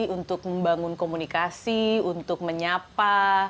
untuk membangun komunikasi untuk menyapa